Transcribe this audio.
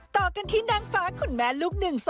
ต่อกันที่นางฟ้าคุณแม่ลูกหนึ่ง